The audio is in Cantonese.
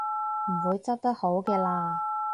唔會執得好嘅喇